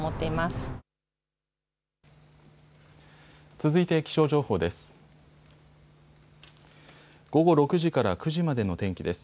続いて気象情報です。